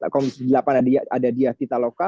komisi delapan ada diatita loka